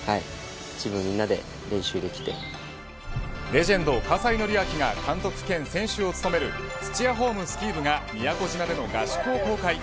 レジェンド葛西紀明が監督兼選手を務める土屋ホームスキー部が宮古島での合宿を公開。